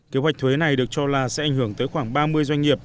kế hoạch thuế này được cho là sẽ ảnh hưởng tới khoảng ba mươi doanh nghiệp